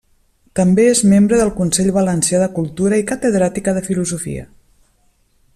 També és membre del Consell Valencià de Cultura i catedràtica de filosofia.